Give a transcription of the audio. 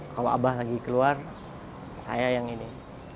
kalau abah lagi keluar saya yang ini